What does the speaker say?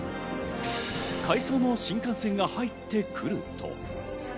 回送の新幹線が入ってくると。